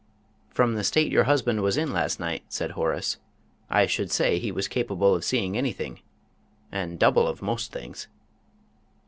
"From the state your husband was in last night," said Horace, "I should say he was capable of seeing anything and double of most things."